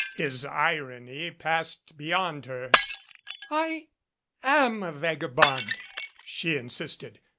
His irony passed beyond her. "I am a vagabond," she insisted.